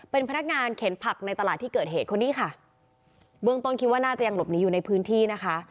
เป็นพนักงานเข็นผักในตลาดที่เกิดเหตุคนนี้ค่ะเบื้องต้นคิดว่าน่าจะยังหลบหนีอยู่ในพื้นที่นะคะ